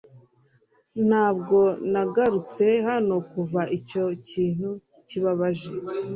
ntabwo nagarutse hano kuva icyo kintu kibabaje